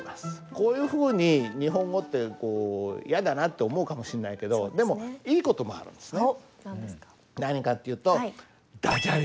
こういうふうに日本語ってこうやだなって思うかもしんないけどでもいいこともあるんですね。